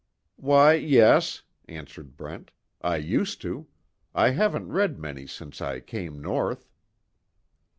"Why yes," answered Brent, "I used to. I haven't read many since I came North."